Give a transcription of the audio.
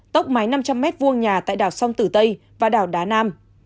tốc mái năm trăm linh m hai nhà tại đảo sông tử tây và đảo đá nam